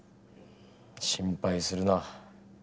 心配するな。